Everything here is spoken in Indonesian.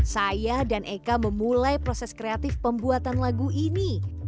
saya dan eka memulai proses kreatif pembuatan lagu ini